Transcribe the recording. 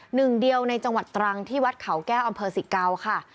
หนึ่งเดียวในจังหวัดตรังที่วัดเขาแก้วอำเภอสิเกาค่ะ